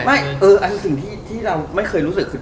อันคือสิ่งที่เราไม่เคยรู้สึกคือ